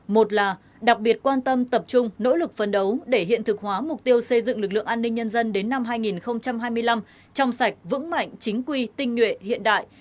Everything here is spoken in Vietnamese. một là đặc biệt quan tâm tập trung nỗ lực phấn đấu để hiện thực hóa mục tiêu xây dựng lực lượng an ninh nhân dân đến năm hai nghìn hai mươi năm trong sạch vững mạnh chính quy tinh nguyện hiện đại